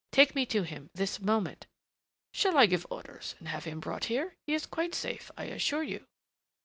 Take me to him, this moment " "Shall I give orders and have him brought here? He is quite safe, I assure you."